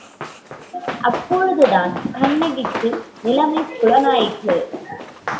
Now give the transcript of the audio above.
அப்பொழுது தான் கண்ணகிக்கு நிலைமை புலனாயிற்று.